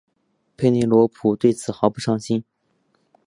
佩内洛普对此毫不上心。